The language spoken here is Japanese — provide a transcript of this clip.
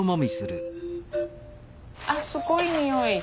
あっすごい匂い。